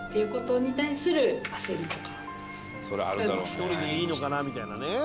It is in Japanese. １人でいいのかなみたいなね。